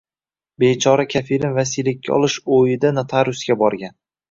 Bechora kafilim vasiylikka olish o‘yida notariusga borgan